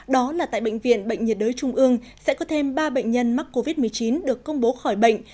đó là tại bệnh viện bệnh nhiệt đới trung ương sẽ có thêm ba bệnh nhân mắc covid một mươi chín được công bố khỏi bệnh